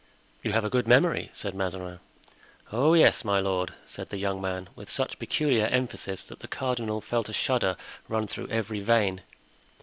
"You have a good memory," said Mazarin. "Oh! yes, my lord," said the young man, with such peculiar emphasis that the cardinal felt a shudder run through every vein.